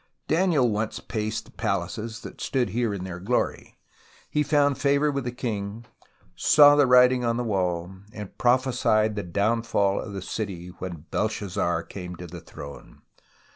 Daniel once paced the palaces that stood here in their glory, found favour with the king, saw the writing on the wall and prophesied the downfall of the city when Belshazzar came to the throne.